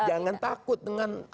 jangan takut dengan